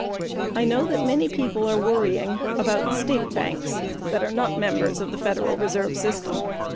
I know that many people are worrying about state banks not members of the Federal Reserve System.